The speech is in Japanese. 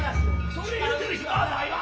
それ言うてる暇はないわ。